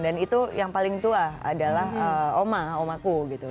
dan itu yang paling tua adalah oma omaku gitu